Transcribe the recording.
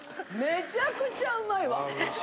めちゃくちゃうまいわ。